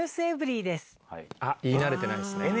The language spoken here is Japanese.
言い慣れてないですね。